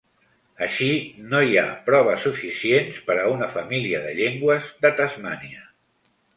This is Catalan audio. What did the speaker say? Així, no hi ha proves suficients per a una família de llengües de Tasmània.